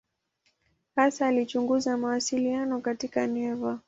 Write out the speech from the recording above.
Hasa alichunguza mawasiliano katika neva.